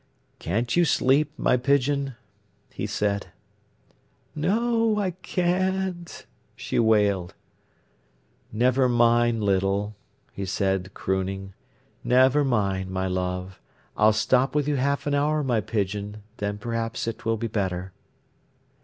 "Can't you sleep, my pigeon?" he said. "No, I can't," she wailed. "Never mind, Little!" He said crooning. "Never mind, my love. I'll stop with you half an hour, my pigeon; then perhaps it will be better."